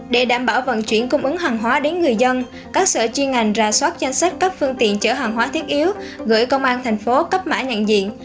để đảm bảo vận chuyển cung ứng hàng hóa đến người dân các sở chiên ngành ra soát danh sách các phương tiện chở hàng hóa thiết yếu gửi công an thành phố cấp mã nhận diện